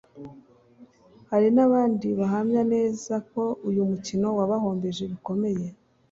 hari n’abandi bahamya neza ko uyu mukino wabahombeje bikomeye